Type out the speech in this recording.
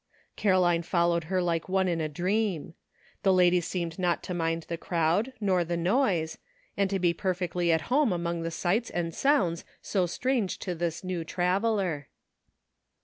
Caroline followed her like one in a dream. The lady seemed not to mind the crowd nor the noise, and to be perfectly at home among the sights and sounds so strange to this new traveler.